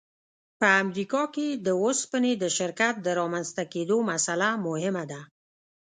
په امریکا کې د اوسپنې د شرکت د رامنځته کېدو مسأله مهمه ده